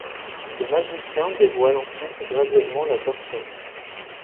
Le magicien dévoile ensuite graduellement la torsion.